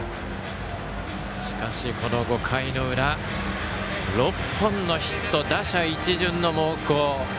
しかし、この５回の裏６本のヒット打者一巡の猛攻。